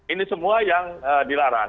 ini semua yang dilarang